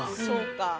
そうか。